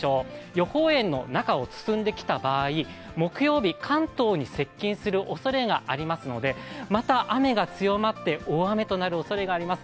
予報円の中を進んできた場合木曜日、関東に接近するおそれがありますのでまた雨が強まって大雨となるおそれがあります